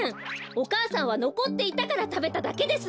お母さんはのこっていたからたべただけです！